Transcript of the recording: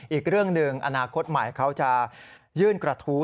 อีกเรื่องหนึ่งอนาคตใหม่เขาจะยื่นกระทู้